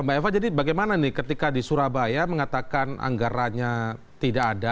mbak eva jadi bagaimana nih ketika di surabaya mengatakan anggarannya tidak ada